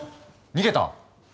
逃げた！